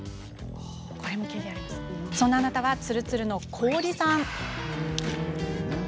そんなあなたはつるつるの氷さん。